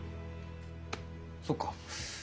そっか。